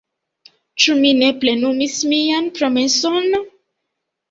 Ĉu mi ne plenumis mian promeson?